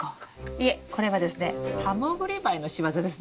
いえこれはですねハモグリバエの仕業ですね。